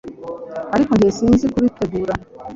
Ariko njye- Sinzi kubitegura.